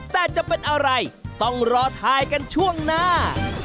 แต่จะเป็นอะไรต้องรอทายกันช่วงหน้า